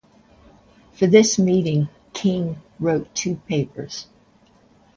For this meeting King wrote two papers.